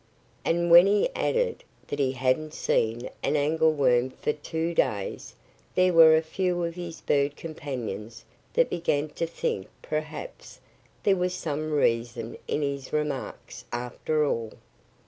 And when he added that he hadn't seen an angleworm for two days there were a few of his bird companions that began to think perhaps there was some reason in his remarks, after all.